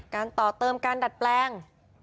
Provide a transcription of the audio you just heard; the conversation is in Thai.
ต่อเติมการดัดแปลง